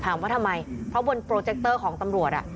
ถามว่าทำไมเพราะบนโปรเจคเตอร์ของตำรวจ